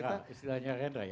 itu keren istilahnya keren